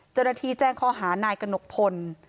เจรถีแจ้งข้อหานายกนกพล